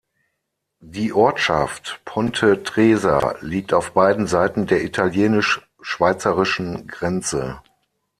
Die Ortschaft "Ponte Tresa" liegt auf beiden Seiten der italienisch-schweizerischen Grenze.